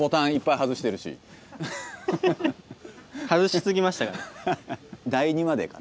外し過ぎましたかね？